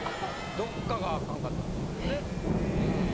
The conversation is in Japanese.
どっかがあかんかったんでしょう。